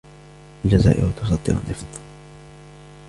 الجزائر تصدر النفط.